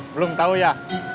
belum tahu ya